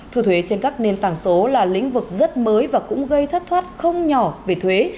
thu thuế trên các nền tảng số là lĩnh vực rất mới và cũng gây thất thoát không nhỏ về thuế